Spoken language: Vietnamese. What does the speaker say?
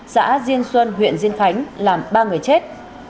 xã diên xuân huyện diên khánh làm ba người chết